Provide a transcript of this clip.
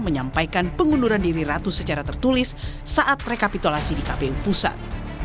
menyampaikan pengunduran diri ratu secara tertulis saat rekapitulasi di kpu pusat